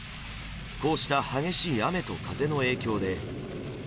こうした激しい雨と風の影響で。